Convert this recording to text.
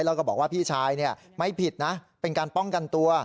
แล้วก็บอกว่าพี่ชายไม่ผิดนะเป็นการป้องกันตัว